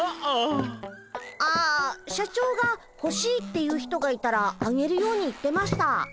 ああ社長がほしいって言う人がいたらあげるように言ってました。